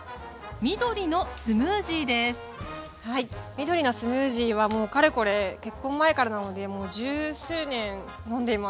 緑のスムージーはもうかれこれ結婚前からなのでもう十数年飲んでいます。